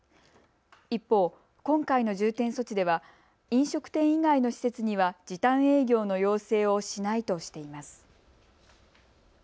一方、今回の重点措置では飲食店以外の施設には時短営業の要請をしないとしています。